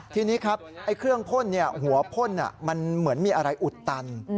ทีนี้ครับเครื่องพ่นหัวพ่นมันเหมือนมีอะไรอุดตัน